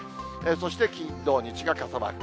そして金、土、日が傘マーク。